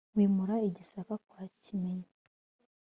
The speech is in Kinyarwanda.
Wimura i Gisaka kwa Kimenyi,